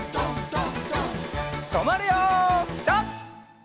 とまるよピタ！